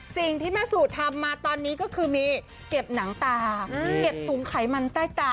สิ่งที่แม่สู่ทำมาตอนนี้ก็คือมีเก็บหนังตาเก็บถุงไขมันใต้ตา